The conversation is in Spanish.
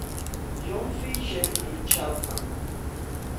John Fisher en Chatham.